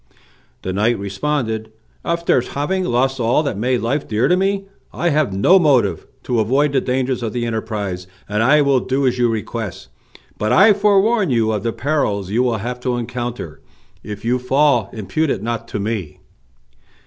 The knight responded, "After having lost all that made life dear to me I have no motive to avoid the dangers of the enterprise, and I will do as you request; but I forewarn you of the perils you will have to encounter. If you fall impute it not to me."